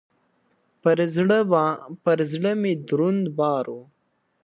پر زړه مي دروند بار و .